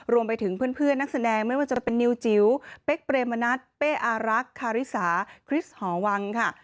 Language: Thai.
รวมไปถึงเพื่อนนักแสดงไม่ว่าจะเป็นนิวจิ๋วเป๊กเปรมนัดเป้อารักษ์คาริสาคริสตหอวังค่ะ